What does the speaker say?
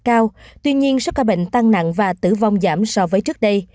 số ca mắc covid một mươi chín rất cao tuy nhiên số ca bệnh tăng nặng và tử vong giảm so với trước đây